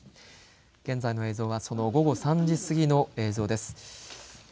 現在の映像はその午後３時過ぎの映像です。